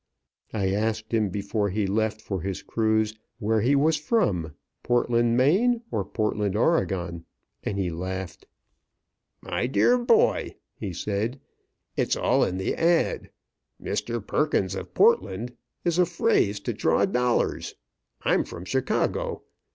I asked him before he left for his cruise when he was from, Portland, Me., or Portland, Oreg., and he laughed. "My dear boy," he said, "it's all in the ad. 'Mr. Perkins of Portland' is a phrase to draw dollars. I'm from Chicago.